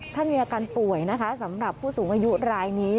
ท่านมีอาการป่วยนะคะสำหรับผู้สูงอายุรายนี้